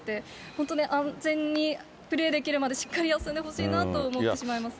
本当に、安全にプレーできるまでしっかり休んでほしいなと思ってしまいますね。